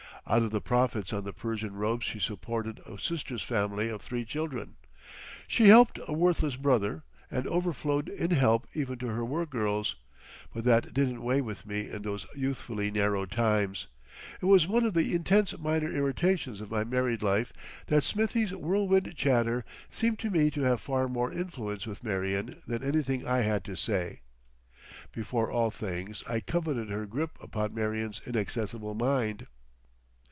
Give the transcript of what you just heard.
Out of the profits on the Persian robes she supported a sister's family of three children, she "helped" a worthless brother, and overflowed in help even to her workgirls, but that didn't weigh with me in those youthfully narrow times. It was one of the intense minor irritations of my married life that Smithie's whirlwind chatter seemed to me to have far more influence with Marion than anything I had to say. Before all things I coveted her grip upon Marion's inaccessible mind.